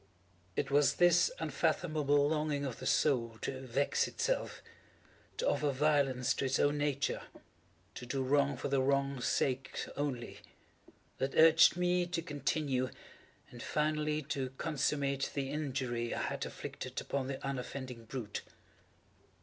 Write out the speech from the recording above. It was this unfathomable longing of the soul to vex itself—to offer violence to its own nature—to do wrong for the wrong's sake only—that urged me to continue and finally to consummate the injury I had inflicted upon the unoffending brute.